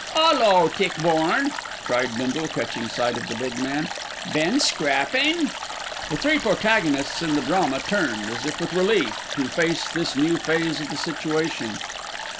"'Ullo, Tichborne!" cried Bindle, catching sight of the big man. "Been scrappin'?" The three protagonists in the drama turned, as if with relief, to face this new phase of the situation.